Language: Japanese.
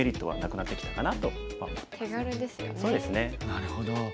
なるほど。